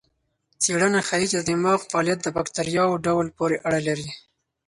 څېړنه ښيي چې د دماغ فعالیت د بکتریاوو ډول پورې اړه لري.